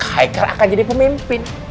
haikal akan jadi pemimpin